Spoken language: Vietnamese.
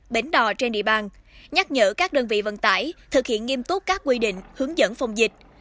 bến đò trên địa bàn nhắc nhở các đơn vị vận tải thực hiện nghiêm túc các quy định hướng dẫn phòng dịch